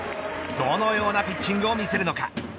どのようなピッチングを見せるのか。